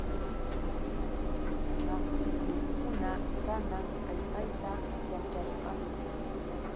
Maqtillukuna kanan qillqayta yaćhasqanña.